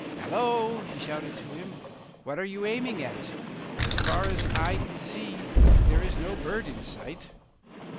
'Hallo!' he shouted to him, 'what are you aiming at? As far as eye can see, there is no bird in sight.